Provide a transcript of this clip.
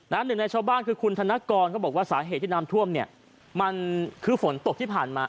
หนึ่งในชาวบ้านคือคุณธนกรก็บอกว่าสาเหตุที่น้ำท่วมเนี่ยมันคือฝนตกที่ผ่านมา